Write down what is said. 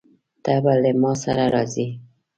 ته به له ما سره راځې؟